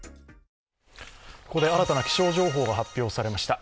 ここで新たな気象情報が発表されました。